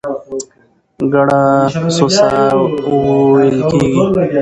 ګړه په څو ساه وو وېل کېږي؟